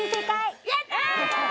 やった！